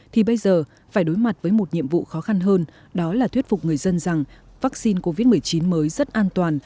thì bây giờ phải đối mặt với một nhiệm vụ khó khăn hơn đó là thuyết phục người dân rằng vaccine covid một mươi chín mới rất an toàn